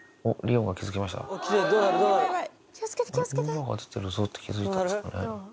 むぅばあが出てるぞって気付いたんですかね。